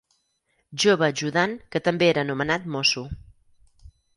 Jove ajudant que també era anomenat mosso.